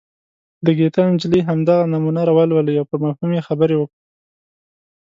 د ګیتا نجلي همدغه نمونه ولولئ او پر مفهوم یې خبرې وکړئ.